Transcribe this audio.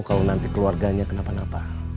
kalau nanti keluarganya kenapa napa